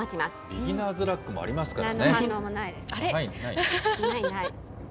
ビギナーズラックもありますからね。